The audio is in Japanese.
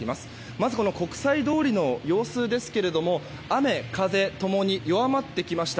まず、国際通りの様子ですが雨風共に弱まってきました。